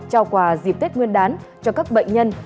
trao quà dịp tết nguyên đán cho các bệnh nhân